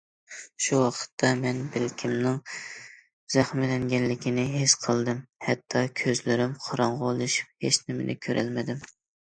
شۇ ۋاقىتتا مەن بىلىكىمنىڭ زەخىملەنگەنلىكىنى ھېس قىلدىم، ھەتتا كۆزلىرىم قاراڭغۇلىشىپ ھېچنېمىنى كۆرەلمىدىم.